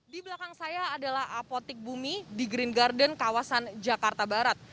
di belakang saya adalah apotik bumi di green garden kawasan jakarta barat